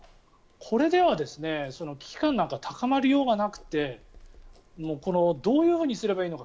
これでは危機感なんか高まりようがなくてどういうふうにすればいいのか。